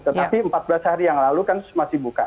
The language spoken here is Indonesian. tetapi empat belas hari yang lalu kan masih buka